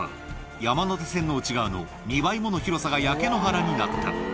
山手線の内側の２倍もの広さが焼け野原になった。